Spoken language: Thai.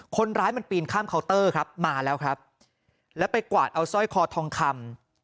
คนร้ายมันปีนข้ามเคาน์เตอร์ครับมาแล้วครับแล้วไปกวาดเอาสร้อยคอทองคำ